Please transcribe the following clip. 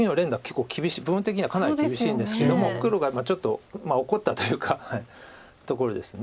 結構部分的にはかなり厳しいんですけども黒がちょっと怒ったというかところです。